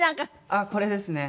あっこれですね。